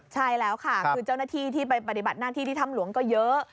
ใช่แล้วค่ะคือเจ้าหน้าที่ที่ไปปฏิบัติหน้าที่ที่ถ้ำหลวงก็เยอะ